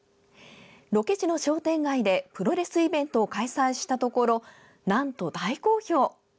ロケ地の商店街でプロレスイベントを開催したところ、なんと大好評。